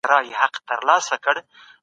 دوی د اتحاديې په اړه معلومات ټولوي.